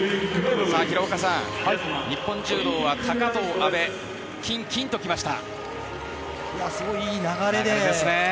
平岡さん、日本柔道は高藤、阿部金、金ときました。